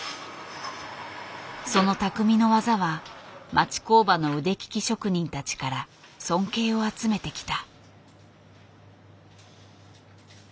その匠の技は町工場の腕利き職人たちから尊敬を集めてきた。